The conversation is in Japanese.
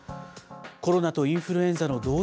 コロナとインフルエンザの同時